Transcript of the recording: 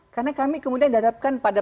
karena kami kemudian dihadapkan pada